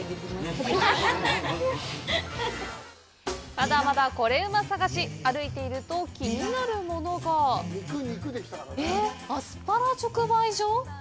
まだまだコレうま探し歩いていると気になるものがえっ、アスパラ直売所？